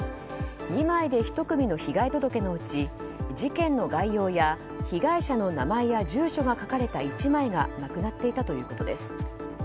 ２枚で１組の被害届のうち事件の概要や、被害者の名前や住所が書かれた１枚がなくなっていたということです。